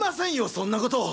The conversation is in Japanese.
そんなこと！